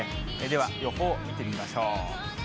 では、予報を見てみましょう。